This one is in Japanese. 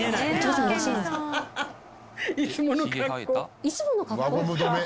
いつもの格好。